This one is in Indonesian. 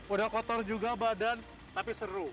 udah kotor juga badan tapi seru